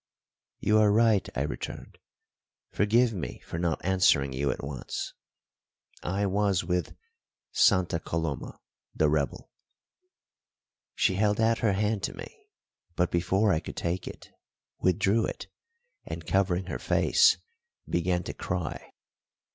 "You are right," I returned, "forgive me for not answering you at once. I was with Santa Coloma the rebel." She held out her hand to me, but, before I could take it, withdrew it and, covering her face, began to cry.